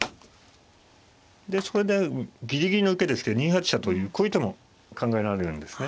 でそれでギリギリの受けですけど２八飛車というこういう手も考えられるんですね。